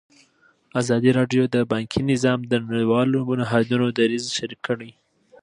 ازادي راډیو د بانکي نظام د نړیوالو نهادونو دریځ شریک کړی.